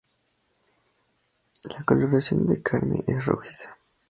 La coloración de su carne es rojiza.